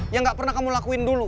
yang gak pernah kamu lakuin dulu